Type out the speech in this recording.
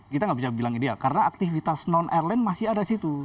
kita nggak bisa bilang ideal karena aktivitas non airline masih ada di situ